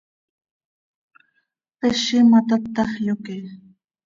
Tpezi ma, tatax, yoque.